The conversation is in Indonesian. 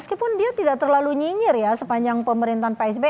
walaupun dia tidak terlalu nyinyir ya sepanjang pemerintahan psb